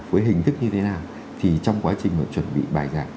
với hình thức như thế nào thì trong quá trình mà chuẩn bị bài giảng